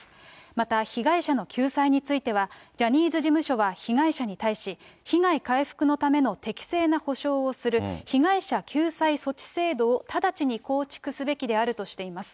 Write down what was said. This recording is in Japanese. また、被害者の救済については、ジャニーズ事務所は被害者に対し、被害回復のための適正な補償をする、被害者救済措置制度を直ちに構築すべきであるとしています。